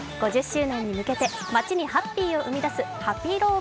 ５０周年に向けてマチにハッピーを生み出すハピろー！